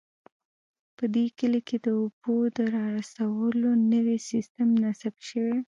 په دې کلي کې د اوبو د رارسولو نوی سیستم نصب شوی